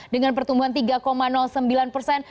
dengan pertumbuhan tiga sembilan persen